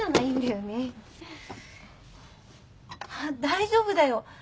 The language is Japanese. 大丈夫だよ。